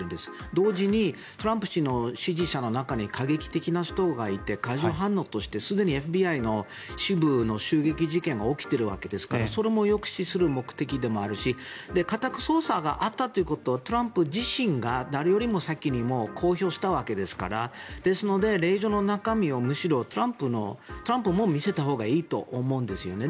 同時にトランプ氏の支持者の中に過激的な人がいて過剰反応としてすでにＦＢＩの支部の襲撃事件が起きているわけですからそれも抑止する目的でもあるし家宅捜索があったということはトランプ自身が誰よりも先に公表したわけですからですので令状の中身をむしろトランプも見せたほうがいいと思うんですね。